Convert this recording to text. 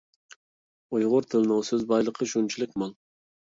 ئۇيغۇر تىلىنىڭ سۆز بايلىقى شۇنچىلىك مول!